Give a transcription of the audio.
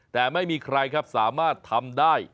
แต่ไม่มีใครครับสามารถทำได้